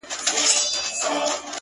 چي تا په گلابي سترگو پرهار پکي جوړ کړ،